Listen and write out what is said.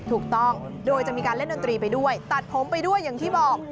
ถูกต้องโดยจะมีการเล่นดนตรีไปด้วยตัดผมไปด้วยอย่างที่บอก